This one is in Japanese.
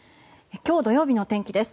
今日土曜日の天気です。